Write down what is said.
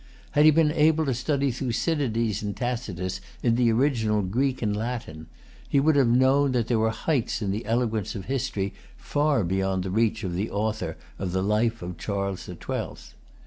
Had he been able to study Thucydides and Tacitus in the original Greek and Latin, he would have known that there were heights in the eloquence of history far beyond the reach of the author of the Life of Charles the Twelfth.